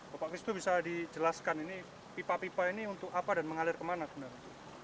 bapak kristu bisa dijelaskan ini pipa pipa ini untuk apa dan mengalir kemana sebenarnya